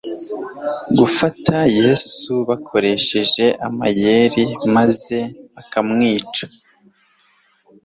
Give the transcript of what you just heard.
gufata yesu bakoresheje amayeri maze bakamwica